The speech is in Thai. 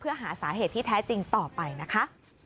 เพื่อหาสาเหตุที่แท้จริงต่อไปนะคะ